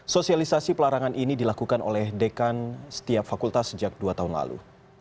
sosialisasi pelarangan ini dilakukan oleh dekan setiap fakultas sejak dua tahun lalu